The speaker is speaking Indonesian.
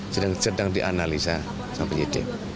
sedang dianalisa sampai hidup